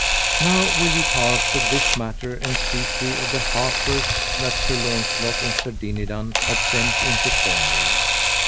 Now will we pass of this matter, and speak we of the harpers that Sir Launcelot and Sir Dinadan had sent into Cornwall.